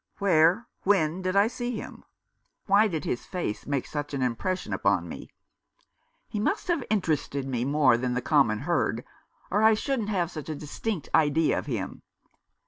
Where, when did I see him ? Why did his face make such an impression upon me ? He must have interested me more than the common herd, or I shouldn't have such a distinct idea of him.